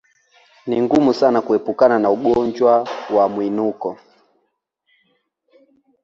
Ni ngumu sana kuepukana na ugonjwa wa mwinuko